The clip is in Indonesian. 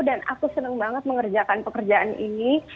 dan aku senang banget mengerjakan pekerjaan ini